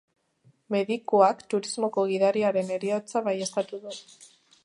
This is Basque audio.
Medikuak turismoko gidariaren heriotza baieztatu du.